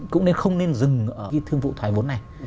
cũng không nên dừng ở cái thương vụ thoải vốn này